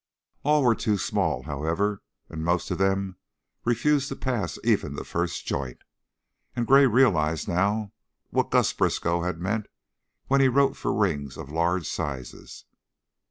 All were too small, however; most of them refused to pass even the first joint, and Gray realized now what Gus Briskow had meant when he wrote for rings "of large sises."